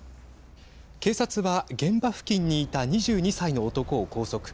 警察は現場付近にいた２２歳の男を拘束。